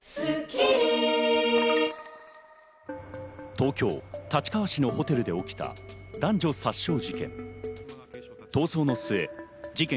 東京・立川市のホテルで起きた男女殺傷事件。